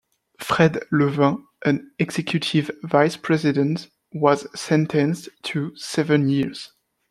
Fred Levin, an executive vice president, was sentenced to seven years.